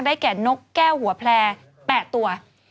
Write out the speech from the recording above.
แก่นกแก้วหัวแพร่๘ตัว